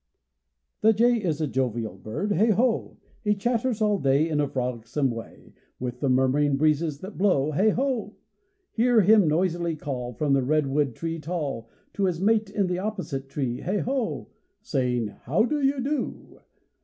_) The jay is a jovial bird Heigh ho! He chatters all day In a frolicsome way With the murmuring breezes that blow Heigh ho! Hear him noisily call From the redwood tree tall To his mate in the opposite tree Heigh ho! Saying, "How do you do?"